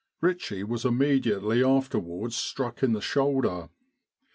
Ritchie was immediately afterwards struck in the shoulder.